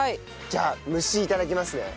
じゃあ蒸し頂きますね。